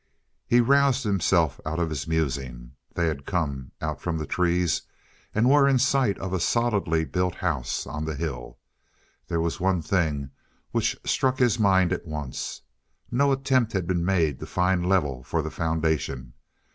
He roused himself out of his musing. They had come out from the trees and were in sight of a solidly built house on the hill. There was one thing which struck his mind at once. No attempt had been made to find level for the foundation.